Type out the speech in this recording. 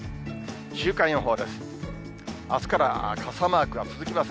週間予報です。